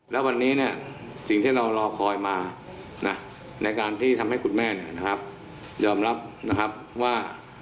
แล้ววันนี้เนี่ยสิ่งที่เรารอคอยมาในการที่ทำให้คุณแม่ยอมรับนะครับว่า